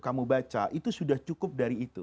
kamu baca itu sudah cukup dari itu